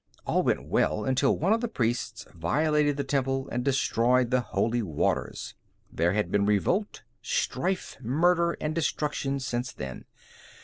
All went well until one of the priests violated the temple and destroyed the holy waters. There had been revolt, strife, murder and destruction since then.